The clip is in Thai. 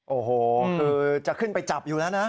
โอ้โหคือจะขึ้นไปจับอยู่แล้วนะ